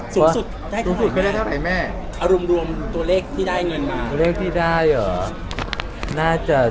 สูงสุดได้เท่าไหร่